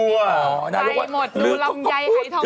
มุทย์บอกดูลำไยหายทองคำ